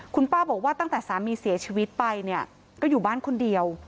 คุณป้าบอกว่าตั้งแต่สามีเสียชีวิตไปเนี่ยก็อยู่บ้านคนเดียว